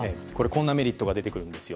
こんなメリットが出てきます。